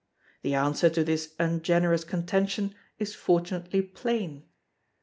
The answer to this ungenerous contention is fortunately plain.